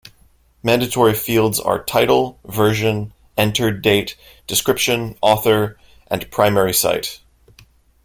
Mandatory fields are Title, Version, Entered-date, Description, Author and Primary-site.